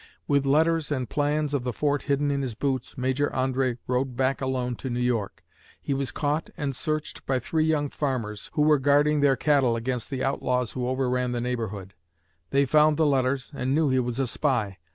With letters and plans of the fort hidden in his boots, Major André rode back alone to New York. He was caught and searched by three young farmers, who were guarding their cattle against the outlaws who overran the neighborhood. They found the letters and knew he was a spy.